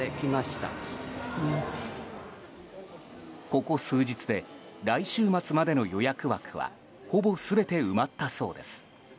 ここ数日で来週末までの予約枠はほぼ全て埋まったそうです。